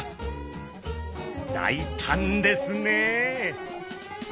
大胆ですね。